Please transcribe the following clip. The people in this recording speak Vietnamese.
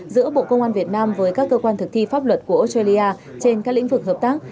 giữa bộ công an việt nam với các cơ quan thực thi pháp luật của australia trên các lĩnh vực hợp tác